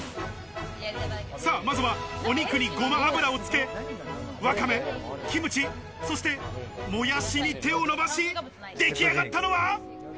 まずは、お肉にごま油を付け、わかめ、キムチ、そしてもやしに手を伸ばし、出来上がったのは。